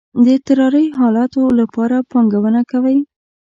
د اضطراری حالاتو لپاره پانګونه کوئ؟